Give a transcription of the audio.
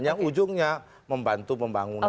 yang ujungnya membantu membangun hal ini